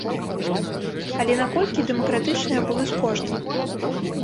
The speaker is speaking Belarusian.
Але наколькі дэмакратычныя будуць кошты?